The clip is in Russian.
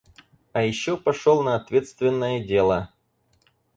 А ещё пошёл на ответственное дело.